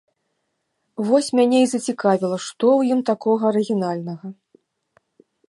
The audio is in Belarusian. Вось мяне і зацікавіла, што ў ім такога арыгінальнага?